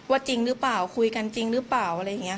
จริงหรือเปล่าคุยกันจริงหรือเปล่าอะไรอย่างนี้